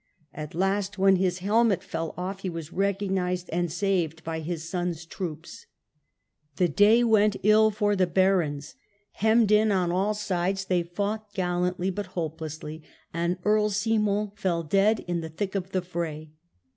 At last, when his helmet fell off, he was recognized and saved by his son's troops. The day went ill for the barons. Hemmed in on all sides they fought gallantly but hopelessly, and Earl Simon fell dead in the thick of the fray.